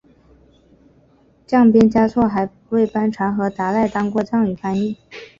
降边嘉措还为班禅和达赖当过藏语翻译。